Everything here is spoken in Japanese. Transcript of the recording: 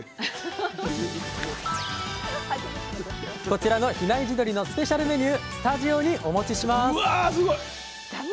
こちらの比内地鶏のスペシャルメニュースタジオにお持ちします！